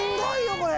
これ。